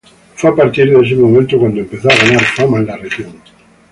Fue a partir de este momento cuando empezó a ganar fama en la región.